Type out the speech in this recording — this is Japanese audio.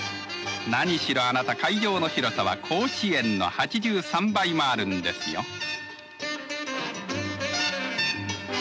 何しろあなた会場の広さは甲子園の８３倍もあるんですよ。